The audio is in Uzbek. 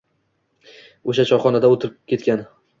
O'sha choyxonada o'tirib ketgan.